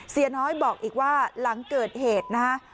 เสียน้อยบอกอีกว่าหลังเกิดเหตุนะฮะ